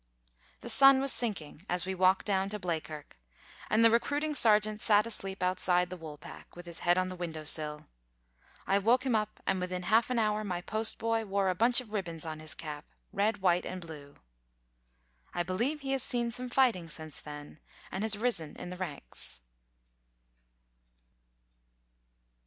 The sun was sinking as we walked down to Bleakirk; and the recruiting sergeant sat asleep outside the "Woolpack," with his head on the window sill. I woke him up; and within half an hour my post boy wore a bunch of ribbons on his cap red, white, and blue. I believe he has seen some fighting since then; and has risen in the ranks.